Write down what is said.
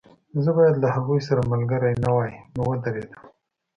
زه باید له هغوی سره ملګری نه وای نو ودرېدم